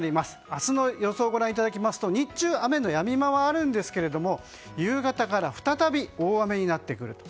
明日の予想をご覧いただきますと日中、雨のやみ間はあるんですが夕方から再び大雨になってくると。